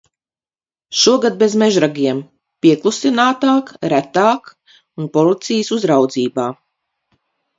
Šogad bez mežragiem, pieklusinātāk, retāk un policijas uzraudzībā.